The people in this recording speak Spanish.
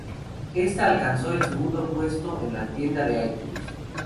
Esta alcanzó el segundo puesto en la tienda de iTunes.